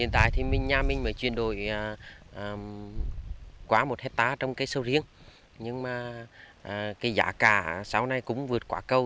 hiện tại thì nhà mình mới chuyển đổi quá một hectare trong cây sầu riêng nhưng mà cái giá cả sau này cũng vượt quá cầu